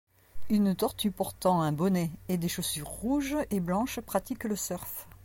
Une tortue portant un bonnet et des chaussures rouges et blanches pratique le surf.